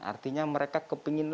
artinya mereka kepingin lagi